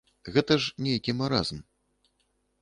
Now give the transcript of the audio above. Гэта ж нейкі маразм.